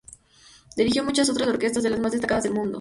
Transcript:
Dirigió muchas otras orquestas de las más destacadas del mundo.